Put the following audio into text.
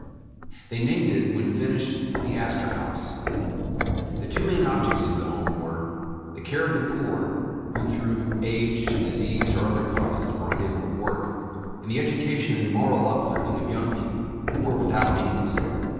They named it, when finished, the Astorhaus. The two main objects of the Home were, the care of the poor, who, through age, disease, or other causes, were unable to work; and the education and moral uplifting of young people, who were without means.